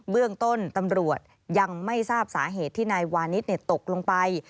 เรื่องต้นตำรวจยังไม่ทราบสาเหตุที่นายวานิสตกลงไป